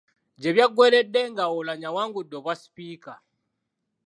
Gye byagweeredde nga Oulanyah awangudde obwa sipiika.